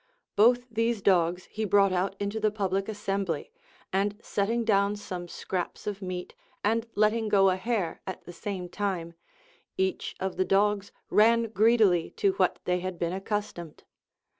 Both these dogs he brought out into the public assembly, and setting down some scraps of meat and letting go a hare at the same time, each of the dogs ran greedily to what they had been accustomed.